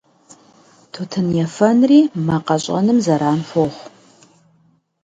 Тутын ефэнри мэ къэщӀэным зэран хуохъу.